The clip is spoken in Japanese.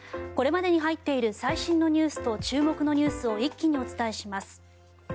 これまでに入っている最新のニュースと注目のニュースを一気にお伝えします。